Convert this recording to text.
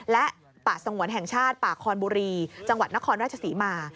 และป่าสงวนแห่งชาติป่าคอนบุรีจังหวัดนครราชศรีมา